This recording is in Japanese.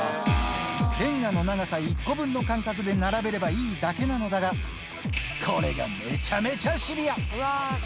レンガの長さ１個分の間隔で並べればいいだけなのだが、これがめちゃめちゃシビア。